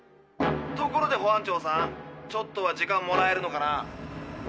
ところで保安庁さんちょっとは時間もらえるのかな？